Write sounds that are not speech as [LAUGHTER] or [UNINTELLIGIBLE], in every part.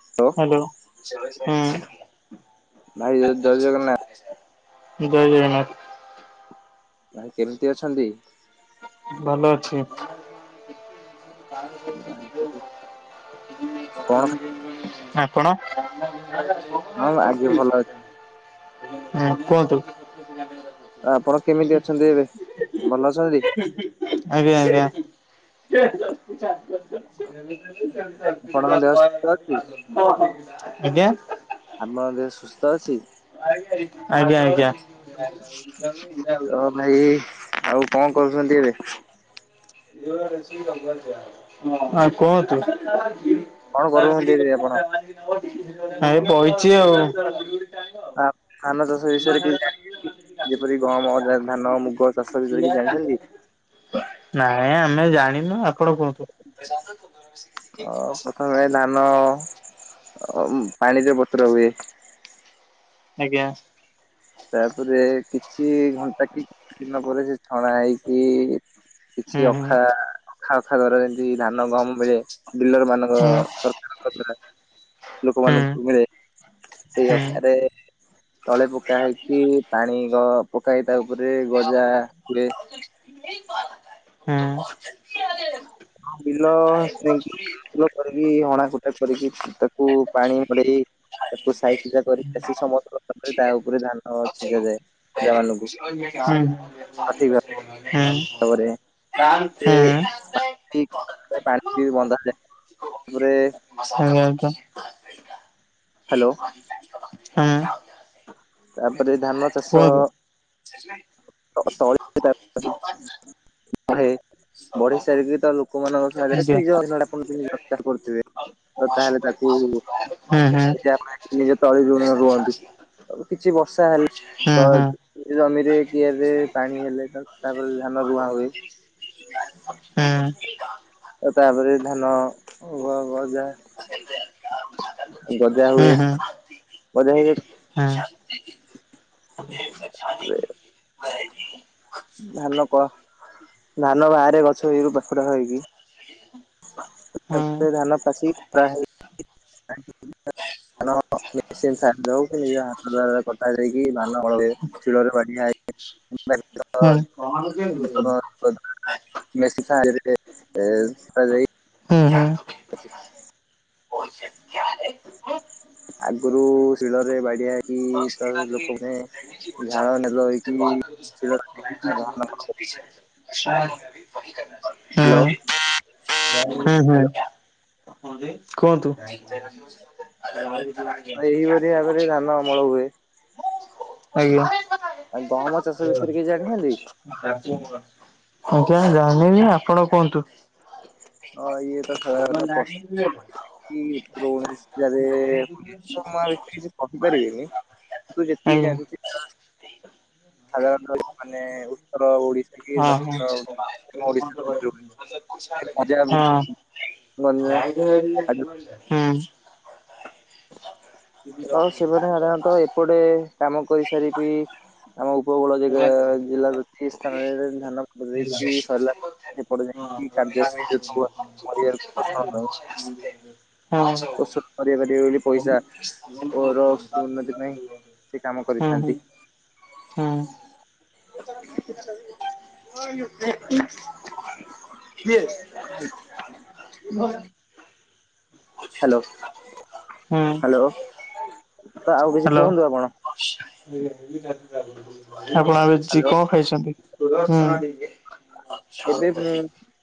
Hello. Hello ହୁଁ। ଭାଇ ଜ ଜୟ ଜଗନ୍ନାଥ। ଜୟ ଜଗନ୍ନାଥ। ଭାଇ କେମିତି ଅଛନ୍ତି? ଭଲ ଅଛି। କଣ [UNINTELLIGIBLE] [UNINTELLIGIBLE] ଆପଣ? ହଁ ଆଜ୍ଞା ଭଲ ଅଛି। ହୁଁ କୁହନ୍ତୁ। ଆପଣ କେମିତି ଅଛନ୍ତି ଏବେ ଭଲ ଅଛନ୍ତି? [UNINTELLIGIBLE] ଆଜ୍ଞା ଆଜ୍ଞା ଆପଣଙ୍କ ଦେହ ସୁସ୍ଥ [UNINTELLIGIBLE] ଅଛି [UNINTELLIGIBLE] ଆଜ୍ଞା? ଆପଣଙ୍କ ଦେହ ସୁସ୍ଥ ଅଛି? [UNINTELLIGIBLE] ଆଜ୍ଞା ଆଜ୍ଞା [UNINTELLIGIBLE] ତ ଭାଇ ଆଉ କଣ କରୁଚନ୍ତି ଏବେ? ଆଉ କୁହନ୍ତୁ? କଣ କରୁଛନ୍ତି ଏବେ ଆପଣ? [UNINTELLIGIBLE] ଭାଇ ବଇଚି ଆଉ। ଆ ଧାନ ଚାଷ ବିଷୟରେ କିଛି ଜାଣିଚନ୍ତି? ଯେପରି ଗହମ ଧାନ ମୁଗ ଚାଷ ବିଷୟରେ କିଛି ଜାଣିଚନ୍ତି? ନାଇଁ ଆଜ୍ଞା ଆମେ ଜାଣିନୁ ଆପଣ କୁହନ୍ତୁ? ଅ ପ୍ରଥମେ ଧାନ ପାଣିରେ ବତୁରା ହୁଏ। ଆଜ୍ଞା। ତାପରେ କିଛି ଘଣ୍ଟାକି କିଛି ଦିନ ପରେ ସେଛଣା ହେଇକି ହୁଁ କିଛି ହୁଁ। ଅଖା ଅଖା ଅଖା ଦ୍ଵାର ଯେମିତି ଧାନ ଗମମ ମିଳେ ଡିଲର ମାନଙ୍କ ହୁଁ ହୁଁ ହୁଁ ସ [UNINTELLIGIBLE] ଲୋକମାନଙ୍କୁ ମିଳେ ସେଇ ଅଖାରେ ତଳେ ପକା ହେଇକି ପାଣି ଗ ପକାହେଇକି ତାଉପରେ ଗଜା ହୁଏ। ନେଇ [UNINTELLIGIBLE] ବିଲ [UNINTELLIGIBLE] ସୁଲ କରିକି ହଣା କୁଟା କରିକି ତାକୁ ପାଣି ମଡ଼େଇ ତାକୁ ସାଇଜି ସୁଝାକରିକି ବେସି ସମୟ [UNINTELLIGIBLE] ତାଉପରେ ଧାନ ଛିଞ୍ଚା ଯାଏ ପ୍ରଜା ମାନଙ୍କୁ ହୁଁ ସଠିକ ଭାବରେ ହୁଁ। ହୁଁ। ତାପରେ [UNINTELLIGIBLE] ବନ୍ଦାଯାଏ ତାପରେ ତାହେଲେ ଏମିତିଆ। ହାଲୋ। ହୁଁ। ତାପରେ ଧାନ ଚାଷ ହୁଁ। ହୁଁ [UNINTELLIGIBLE] ତ ତଳେ ବଢି ସାରିକି ତାପରେ ଲୋକମାନଙ୍କ ସାହାଯ୍ୟରେକି [UNINTELLIGIBLE] କରୁଥିବେ ତୋ ତାହେଲେ ତାକୁ [UNINTELLIGIBLE] ପାଇଁ ନିଜ ତଳିଯୋଉଦିନ ରୁଅନ୍ତି ଆଉ କିଛି ବର୍ଷା ହେଲେ ତ ହୁଁ। ହୁଁ। ଜମିରେ କିଆରିରେ ପାଣି ହେଲେ ତାପରେ ଧାନ ରୁଆ ହୁଏ ହୁଁ। ତ ତାପରେ ଧାନ ଗ ଗଜା [UNINTELLIGIBLE] ଗଜା ହୁଏ ଗଜା ହ ହୁଁ। [UNINTELLIGIBLE] ଧାନ କ ଧାନ ବାହାରେ ଗଛ ଏଇରୁ ପାଖୁଡ଼ା ହେଇକି। [INAUDIBLE] [UNINTELLIGIBLE] [INAUDIBLE] କି ନିଜ ହାତ ଦାରରେ କଟା ଦେଇକି ଧାନ ବଳ ଶିଳ ରେ ବାଢିଆ ହେଇକି ହୁଁ। [UNINTELLIGIBLE] ମେସିନ ସାହାଯ୍ୟ ରେ ହୁଁ ହୁଁ। [INAUDIBLE] [INAUDIBLE] ଆଗରୁ ଶିଳରେ ବାଡିଆ ହେଇକି ହୁଁ ତ ଲୋକମାନେ ଝାଳ ନାଳ ହେଇକି ଶିଳ ହ୍ୟାଲୋ ହୁ। ହୁଁ ହୁଁ। କୁହନ୍ତୁ। ଏଇ ଭଳି ଭାବରେ ଧାନ ଅମଳ ହୁଏ। ଆଜ୍ଞା। ଆଉ ଗହମ ଚାଷ ବିଷୟରେ କିଛି ଜାଣିଛନ୍ତି? ଆଜ୍ଞା ଜାଣିବି ଆପଣ କୁହନ୍ତୁ। ହଁ [INAUDIBLE] [UNINTELLIGIBLE] କିଛି କହିିପାରିବିନି କି ତୁ ଆଜ୍ଞା ଯେତିକି ସାଧାରଣତ ମାନେ ଉତ୍ତର ଓଡିଶା ହଁ କି ଦକ୍ଷିଣ ଓଡ଼ିଶା [INAUDIBLE] ପଞ୍ଜାବ ହଁ ଗଞ୍ଜା ଆଡେ ହଁ ସେମାନେ ସାଧାରଣତଃ ଏପଟେ କାମ କରିସାରିକି ଆମ ଉପକୂଳ ଜିଲ ଜିଲ୍ଲାର କିଛି ସ୍ଥାନରେ ଧାନ ଦେଇକି ସରଲା। ସେପଟେ ଯାଇକି କାର୍ଯ୍ୟ ନିଷଣ [INAUDIBLE] ହଁ ହୁଁ ଔଷଧ କରିବାପାରିବ ବୋଲି ପଇସା ପର ଉକ୍ତି ଉନ୍ନତି ପାଇଁ ସେ କାମ ହୁଁ ହୁଁ କରିଥାନ୍ତି। [INAUDIBLE] କିଏ? ହ୍ୟାଲୋ ହୁଁ ହ୍ୟାଲୋ ତ ଆଉ କିଛି ହ୍ୟାଲୋ। କୁହନ୍ତୁ ଆପଣ। ଆପଣ ଆଉ କିଛି ଚି ହ୍ୟାଲୋ କଣ ଖାଇଛନ୍ତି ହୁଁ ଏବେ ମୁଁ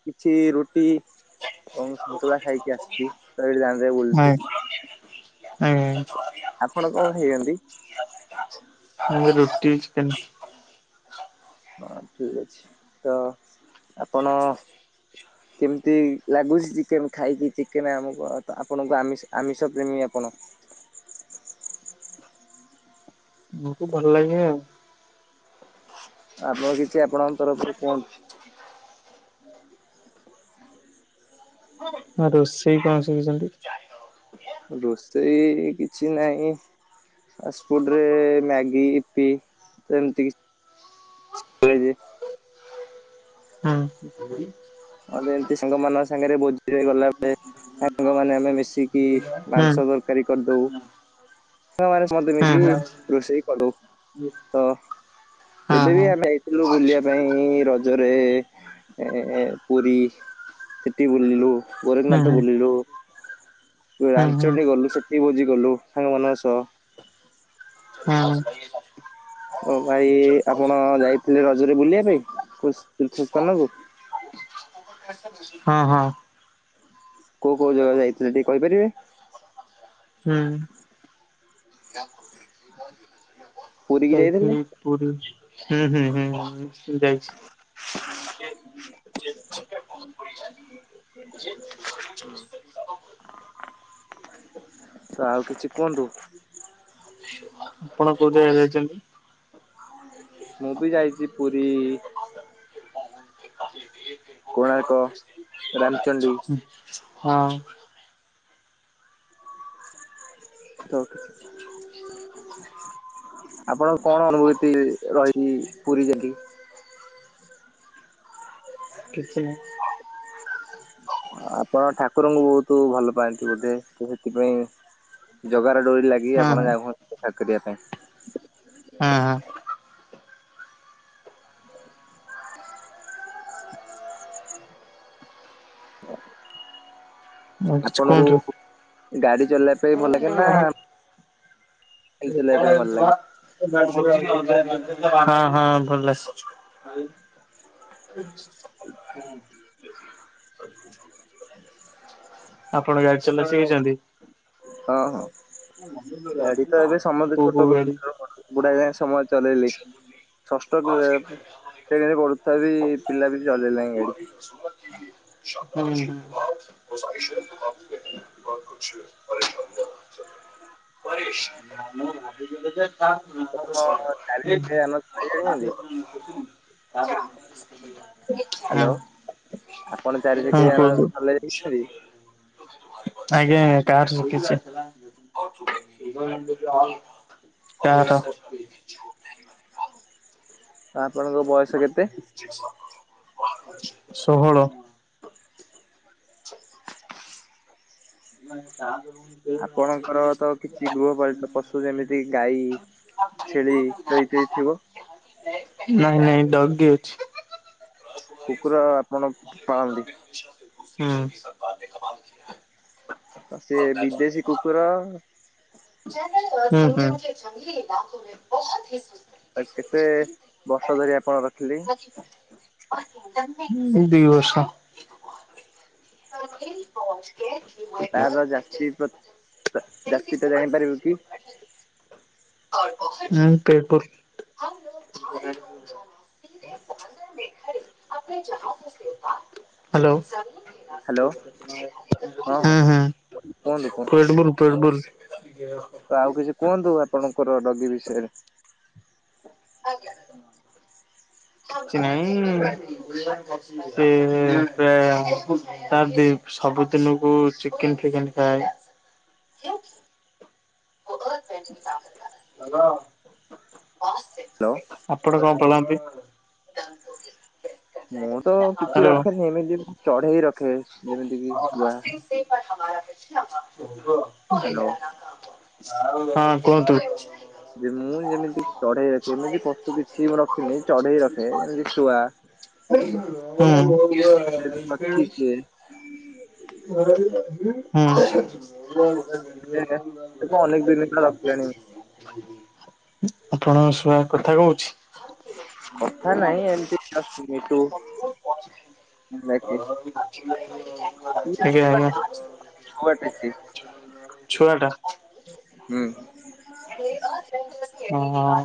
କିଛି ରୁଟି ଏବଂ ସନ୍ତୁଳା ଖାଇକି ଆସିଛି ତ ଏଠି ଦାଣ୍ଡରେ ବୁଲୁଚି। ଆଜ୍ଞା। ଆପଣ କଣ ଖାଇଛନ୍ତି? ମୁଁ ରୁଟି ଚିକେନ। ହଁ ଠିକ ଅଛି ତ ଆପଣ କେମିତି ଲାଗୁଛି ଚିକେନ୍ ଖାଇକି ଚିକେନ ଆମକୁ ଆପଣ ଆମୀ ଆପଣ ଆମିଷ ପ୍ରେମୀ ଆପଣ। ମୋକୁ ଭଲ ଲାଗେ ଆଉ। ଆପଣ କିଛି ଆପଣଙ୍କ ତରଫରୁ କୁହନ୍ତୁ। ଆଁ ରୋଷେଇ କଣ ଶିଖିଛନ୍ତି? ରୋଷେଇ କିଛି ନାହିଁ। ଆ ସ୍କୁଲ ରେ ମ୍ୟାଗି ଇପି ତ ଏମିତି କିଛି [UNINTELLIGIBLE] ହଁ। ହଁ ଏମିତି ସାଙ୍ଗ ମାନଙ୍କ ସାଙ୍ଗରେ ଭୋଜିରେ ଗଲା ବେଳେ ସାଙ୍ଗ ମାନେ ଆମେ ମିଷ୍ ଶିକି ହୁଁ ହୁଁ। ମାଂସ ତରକାରୀ କରିଦଉ। ହ ମାନେ ସମସ୍ତେ ହଁ ହଁ ହୁଁ ମିଶିକି ରୋଷେଇ କଲୁ ତ ଏବେ ବି ଆମେ ଯାଇଥିଲୁ ବୁଲିବା ପାଇଁ ରଜରେ ଏ ପୁରୀ ସେଠି ବୁଲିଲୁ ହୁଁ ଗୋରଖନାଥ ହୁଁ ବୁଲିଲୁ। ହୁଁ ହଁ। ରାଞ୍ଚଡି ଗଲୁ ସେଠିକି ବୋଜି କଲୁ ସାଙ୍ଗ ମାନଙ୍କ ସହ ହଁ। ଓ ଭାଇ ଆପଣ ଯାଇଥିଲେ ରଜରେ ବୁଲିବା ପାଇଁ ତୀର୍ଥ ସ୍ଥାନକୁ? ହଁ ହଁ। କୋଉ କୋଉ ଜାଗା ଯାଇଥିଲେ ଟିକେ କହିପାରିବେ? ହୁଁ। ପୁରୀ କି ଯାଇଥିଲେ ଯାଇଥିଲି ପୁରୀ ହୁଁ ହୁଁ ହୁଁ ଯାଇଛି। ଯେ ଯେ ହୁଁ ତ ଆଉ କିଛି କୁହନ୍ତୁ? ଆପଣ କୋଉ ଜାଗା ଯାଇଛନ୍ତି? ମୁଁ ବି ଯାଇଛି ପୁରୀ। କୋଣାର୍କ ରା ହଁ। ତ ଆପଣଙ୍କ କଣ ଅନୁଭୂତି ରହିଛି ପୁରୀ ଯାଇକି? କିଛି ନାହିଁ। ଆପଣ ଠାକୁରଙ୍କୁ ବହୁତ ଭଲ ପାଆନ୍ତି ବୋଧେ ତ ସେଥିପାଇଁ। ଜଗାର ଡୋରି ଲାଗି ହଁ ଆପଣ ହଁ ହଁ ଯାଉ ଦେଖା କରିବା ପାଇଁ। ହଁ ହଁ। [UNINTELLIGIBLE] କିଛି କୁହନ୍ତୁ। ହଁ ହଁ ଆପଣଙ୍କୁ ଗାଡି ଚଲେଇବା ପାଇଁ ଭଲ ଲାଗେ ନା? ଚଲେଇବା ପାଇଁ ଭଲ ଲାଗେ? ହଁ ହଁ ଭଲସ ଆଛା ଆପଣ ଗାଡି ଚଲା ଶିଖିଛନ୍ତି? ହଁ ହଁ ଗାଡି ତ ଏବେ ସମସ୍ତେ କୋଉ ଛୋଟ କୋଉ ଗାଡି? [UNINTELLIGIBLE] ବୁଡା ଯାଏଁ ସମସ୍ତେ ଚଲେଇଲେ ଷଷ୍ଠ ସେ କରୁଥିବା ବି ପିଲା ବି ଚଲେଇ ନାହିଁ ଗାଡି। କି ହୁଁଁ। ହଁ ପରେଶ ଭ ବା ଆପଣ ଚାରି ଚକିଆ ଯାନ ଚଲେଇ ଜାଣିଛନ୍ତି? ହ୍ୟାଲୋ ହୁଁ। ଆପଣ ଚାରି ଚକିଆ ଯାନ ଭଲେ ଯାଇଛନ୍ତି? ଆଜ୍ଞା ଆଜ୍ଞା କାର ଶିଖିଛି। ଆଲାମ କାହାର? ଆପଣଙ୍କ ବୟସ କେତେ? ଜ ସ କଣ କରୁଚୁ? ଷୋହଳ। ମୁଁ କହିଲି ତାସ। ଆପଣଙ୍କର ତ କିଛି ଗୃହପର୍ଟକ ପଶୁ ଯେମିତି ଗାଈ ଛେଳି ର ଇତ୍ୟାଦି ଥିବ? ନାଇଁ ନାଇଁ ଡଗି ଅଛି। କୁକୁର ଆପଣ ପାଳନ୍ତି? ହୁଁ। ମାଆଉସିଙ୍କ ମାଆଉସି ତ ସେ ବିଦେଶୀ କୁକୁର। ହୁଁ ହୁଁ। ଆ କେତେ ବର୍ଷ ଧରି ଆପଣ ରଖିଲି? ଦୁଇ ବର୍ଷ। ି ପହଞ୍ଚ କେ ତାର ଜାତି ପ ଜାତିଟା ଜାଣିପାରିବୁ କି? ହୁଁ ପେପର୍ ହୁଁ। ଦେ ପନ୍ଦର ମେ ଘଳି ଆଣ ଚାହାକୁ ସେତାନ୍ତି ହାଲୋ। ହାଲୋ ହଁ। [UNINTELLIGIBLE] ପେଟବୁଲ୍ ପେଟବୁ ତ ଆଉ କିଛି କୁହନ୍ତୁ ଆପଣଙ୍କର ଡଗି ବିଷୟରେ? କିଛି ନାଇଁ ସେ ଏବେ ପ୍ରାୟ ତାର ସବୁ ଦିନକୁ ଚିକେନ୍ ଫିକେନ୍ ଖାଏ। ହାଲୋ। ହାଲୋ। ଆପଣ କଣ ପାଳନ୍ତି? ମୁଁ ତ କିଛି ରଖେନି ଏମିତି ମୁ ଚଢେଇ ରଖେ ଯେମିତି କି ଶୁଆ। ଶୁଆ। ହ୍ୟାଲୋ। ହଁ କୁହନ୍ତୁ? ଯେ ମୁଁ ଯେମିତି ଚଢେଇ ରଖେ ଏମିତି ପଶୁ କିଛି ମୁଁ ରଖିନି ଚଢେଇ ରଖେ ଯେମିତି ଶୁଆ। ହୁଁ। ହୁଏ। ହୁଁ। ତାକୁ ଅନେକ ଦିନ ହେଲା ରଖିଲାଣି। ଆପଣଙ୍କ ଶୁଆ କଥା କହୁଛି? କଥା ନାହିଁ ଏମିତି ଜଷ୍ଟ ମିଟୁ। ଡାକେ। ଇଏ ଆଜ୍ଞା ଛୁଆଟେ ଛୁଆଟେ ଆଜ୍ଞା। ସିଏ ଛୁଆ ଟା ହୁଁ। ହଁ ହଁ।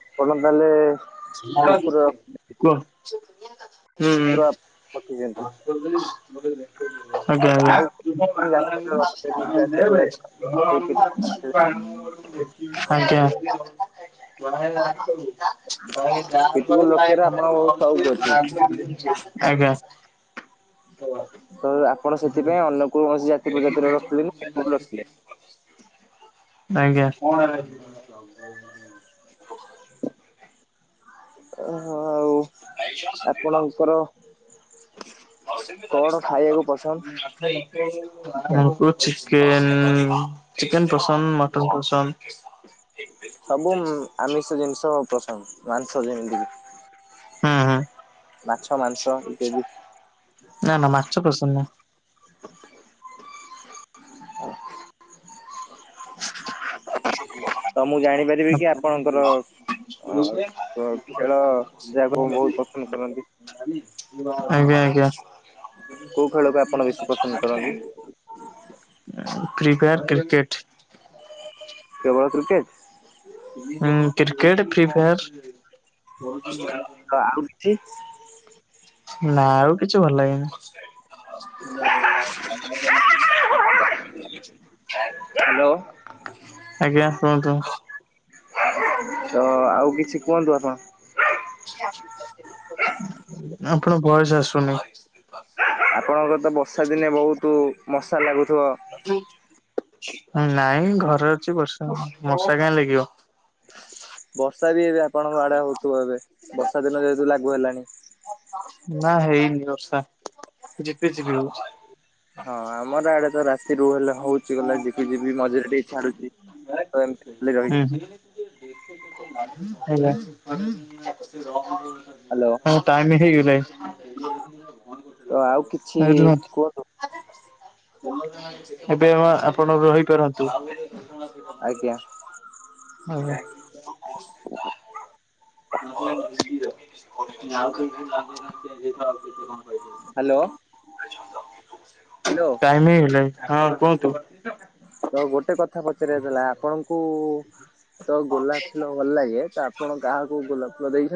ଭଲ ତାହେଲେ। କୁହ କୁକୁର ରଖି ହୁଁ। କୁକୁର ରଖିଛନ୍ତି। ଆଜ୍ଞା ଆଜ୍ଞା। ଆଉ କୋଉ ରାସ୍ତାରେ ରଖିବେନି ଜାତି ସେଇ ପିଠ ଆଜ୍ଞା। ପିଟବୁଲ ରଖିବାରେ ଆପଣଙ୍କ ବହୁତ ସଉକ ଅଛି [UNINTELLIGIBLE] ଆଜ୍ଞା। ତ ଆପଣ ସେଥିପାଇଁ ଅନ୍ୟ କୌଣସି ଜାତି ପ୍ରଜାତିର ରଖିଲେନି ଆକୁ ରଖିଲେ। ଆଜ୍ଞା। ଓ ଆଉ ଆପଣଙ୍କର? ଆଉ କଣ ଖାଇବାକୁ କୁହ? ପସନ୍ଦ ଚିକେନ ଚିକେନ ଚିକେନ ପସନ୍ଦ ମଟନ ପସନ୍ଦ। ସବୁ ଆମିଷ ଜିନିଷ ପ୍ରସନ୍ଦ ମାଂସ ଯେମିତିକି ହୁଁ ହୁଁ। ମାଛ ମାଂସ ଇତ୍ୟାଦି ନା ନା ମାଛ ପସନ୍ଦ ନୁହେଁ। ତ ମୁଁ ଜାଣିପାରିବି କି ନାହିଁ। ଆପଣଙ୍କର ଅ ଖେଳ ଯାହାକୁ ବହୁତ ପସନ୍ଦ କରନ୍ତି [UNINTELLIGIBLE] ଆଜ୍ଞା ଆଜ୍ଞା। କୋଉ ଖେଳକୁ ଆପଣ ବେଶୀ ପସନ୍ଦ କରନ୍ତି? Prefer cricket. କେବଳ କ୍ରିକେଟ। ହଁ କ୍ରିକେଟ ଫ୍ରିଫାୟାର। ଆଉ କିଛି। ନା ଆଉ କିଛି ଭଲ ଲାଗେନି। [UNINTELLIGIBLE] ହ୍ୟାଲୋ। ଆଜ୍ଞା କୁହନ୍ତୁ? ତ ଆଉ କିଛି କୁହନ୍ତୁ ଆପଣ? ଆପଣ ଭଏସ ଆସୁନି। ଆପଣଙ୍କର ତ ବର୍ଷା ଦିନେ ବହୁତ ମଶା ଲାଗୁଥିବ। ନାଇଁ ଘରେ ଅଛି ବର୍ଷ ମଶା କାଇଁ ଲାଗିବ। ବର୍ଷା ବି ଏବେ ଆପଣଙ୍କ ଆଡେ ହଉଥିବ ଏବେ ବର୍ଷା ଦିନ ଯେହେତୁ ଲାଗୁ ହେଲାଣି। ନା ହେଇନି ବର୍ଷା ଝିପ୍ ଝିପ୍ ହୋଉଛି। ହଁ ଆମର ଆଡେ ତ ରାସ୍ ସେ ରୁ ହେଲେ ହଉଛି ଗଲା ଝିପ୍ ଝିପ୍ ମଜିରେ ଟିକେ ଛାଡୁଛି ତ ଏମିତି ରହିଛି। [UNINTELLIGIBLE] ହ୍ୟାଲୋ ହଁ ଟାଇମ ହେଇଗଲାଣି। ତ ଆଉ କିଛି କୁହନ୍ତୁ ରୁହନ୍ତୁ ଏବେ ଆପଣ ରହିପାରନ୍ତି। ଆଜ୍ଞା [UNINTELLIGIBLE] [UNINTELLIGIBLE] ହ୍ୟାଲୋ। ହ୍ୟାଲୋ ଟାଇମ ହଁ ହେଲାଣି ହଁ କୁହନ୍ତୁ? ତ ଗୋଟେ କଥା ପଚାରିବାଥିଲା ଆପଣଙ୍କୁ ତ ଗୋଲାପ ଫୁଲ ଭଲ ଲାଗେ ତ ଆପଣ କାହାକୁ ଗୋଲାପ ଫୁଲ ଦେଇ